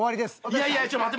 いやいやちょっと待って！